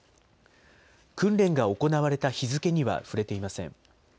訓練が行われた日付には触れていません。